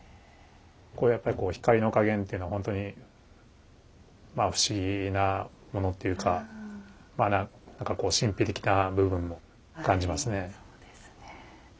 やっぱりこう光の加減っていうのほんとにまあ不思議なものっていうかまあ何かこう神秘的な部分も感じますね。